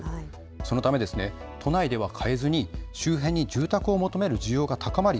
そのため都内では買えずに周辺に住宅を求める需要が高まり